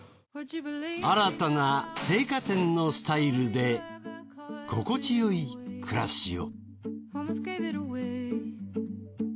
新たな青果店のスタイルで心地よい暮らしを。